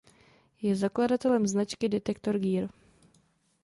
Je zakladatelem značky Detektor Gear.